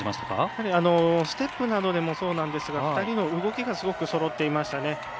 やはり、ステップなどでもそうなんですが２人の動きがすごくそろっていましたね。